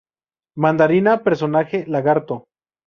Mandarina, personaje: Lagarto.